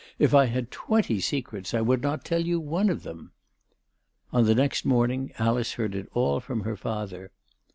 If I had twenty secrets I would not tell you one of them." On the next morning Alice heard it all from her father.